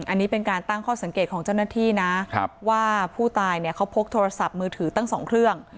อันนี้เป็นการตั้งข้อสังเกตของเจ้าหน้าที่นะว่าผู้ตายเนี่ยเขาพกโทรศัพท์มือถือตั้ง๒เครื่อง